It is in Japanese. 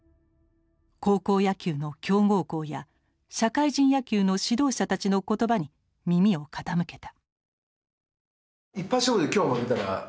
高校野球の強豪校や社会人野球の指導者たちの言葉に耳を傾けた。